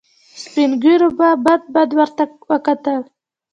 سپين ږيرو به بد بد ورته وکتل.